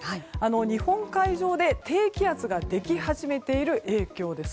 日本海上で低気圧ができ始めている影響です。